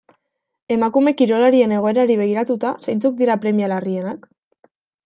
Emakume kirolarien egoerari begiratuta, zeintzuk dira premia larrienak?